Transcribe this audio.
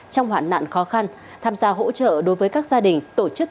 trong hoạn nạn khó khăn tham gia hỗ trợ đối với các gia đình tổ chức cá nhân